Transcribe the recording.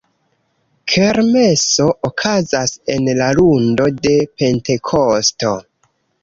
Kermeso okazas en la lundo de Pentekosto.